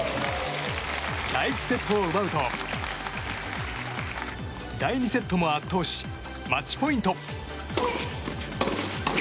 第１セットを奪うと第２セットも圧倒しマッチポイント。